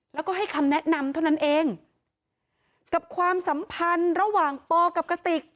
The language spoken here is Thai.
แล้วก็ให้คำแนะนำเท่านั้นเองกับความสัมพันธ์ระหว่างปกับกติก